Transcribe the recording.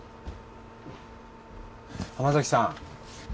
濱崎さん。